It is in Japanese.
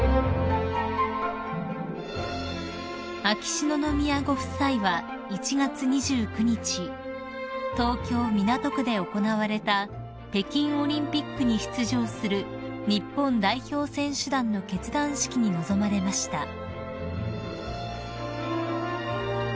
［秋篠宮ご夫妻は１月２９日東京港区で行われた北京オリンピックに出場する日本代表選手団の結団式に臨まれました］